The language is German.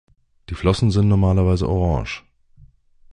Die Flossen sind normalerweise orange.